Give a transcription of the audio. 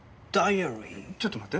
ちょっと待って。